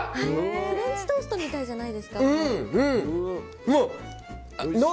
フレンチトーストみたいじゃないですか。